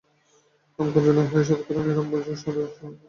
কামকাঞ্চনত্যাগী হয়েও শতকরা নিরানব্বই জন সাধু নাম-যশে বদ্ধ হয়ে পড়ে।